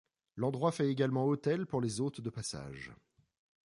L’endroit fait également hôtel pour les hôtes de passage.